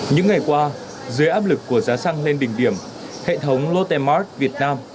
những ngày qua dưới áp lực của giá xăng lên đỉnh điểm hệ thống lotte mart việt nam